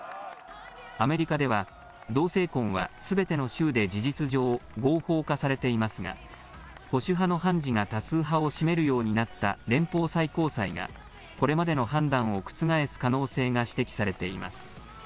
アメリカでは、同性婚はすべての州で事実上、合法化されていますが、保守派の判事が多数派を占めるようになった連邦最高裁が、これまでの判断を覆す可能性が指摘されています。